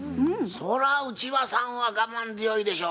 そら内場さんは我慢強いでしょ。